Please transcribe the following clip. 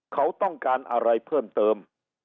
เขาต้องการอะไรเพิ่มเติม